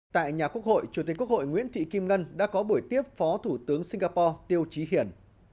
tại nhà quốc hội chủ tịch quốc hội nguyễn thị kim ngân đã có buổi tiếp phó thủ tướng singapore tiêu trí hiển